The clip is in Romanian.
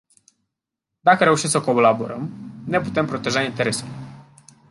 Dacă reușim să colaborăm, ne putem proteja interesele.